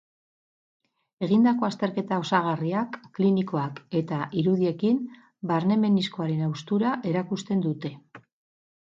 Egindako azterketa osagarriak, klinikoak eta irudiekin, barne meniskoaren haustura erakusten dute.